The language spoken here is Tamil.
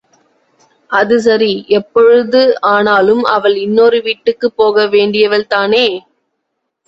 அதுசரி, எப்பொழுது ஆனாலும் அவள் இன்னொரு வீட்டுக்குப் போக வேண்டியவள் தானே!